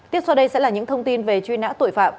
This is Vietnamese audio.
tiếp sau đây sẽ là những thông tin về truy nã tội phạm